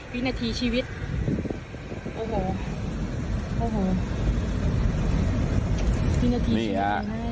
วินาทีชีวิตโอ้โหโอ้โหวินาทีนี่ฮะ